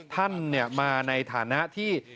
ท่านมาในฐานะที่